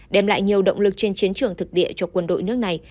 đem lại nhiều động lực trên chiến trường thực địa cho quân đội nước này